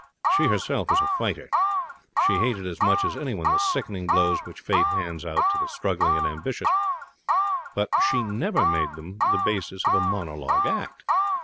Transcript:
She herself was a fighter. She hated as much as anyone the sickening blows which Fate hands out to the struggling and ambitious; but she never made them the basis of a monologue act.